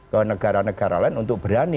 ke negara negara lain untuk berani